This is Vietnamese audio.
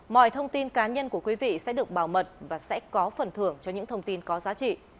mọi thông tin cá nhân của quý vị sẽ được bảo mật và sẽ có phần thưởng cho những thông tin có giá trị